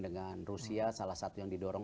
dengan rusia salah satu yang didorong